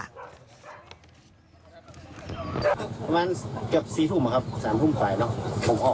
ประมาณเกือบสี่ทุ่มเหรอครับสามทุ่มไปแล้ว